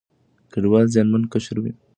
کډوال زیانمن قشر وي.